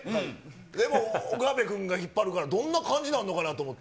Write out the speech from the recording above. でも、岡部君が引っ張るから、どんな感じかと思って。